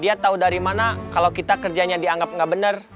dia tau dari mana kalo kita kerjanya dianggap gak benar